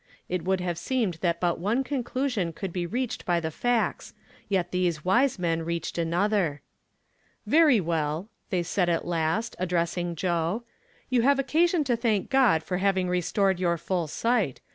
It would liave seemed that but one conclusion could be reached by the facts, yet these wise men reached another. "Very well," they said at last, addressing Jo6 ;" you have occasion to thank God for having restored your full sight.